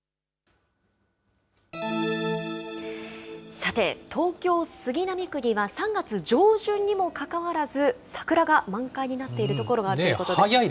さて、東京・杉並区には３月上旬にもかかわらず、桜が満開になっている所があるということで。